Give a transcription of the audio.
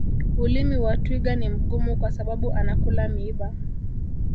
ulimi wa twiga ni mgumu kwa sababu anakula miiba